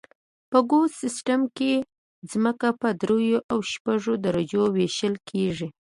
په ګوس سیستم کې ځمکه په دریو او شپږو درجو ویشل کیږي